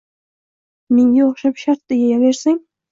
Menga o‘xshab shatta yeyversang